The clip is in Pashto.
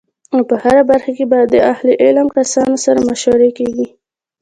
او په هره برخه کی به د اهل علم کسانو سره مشوره کیږی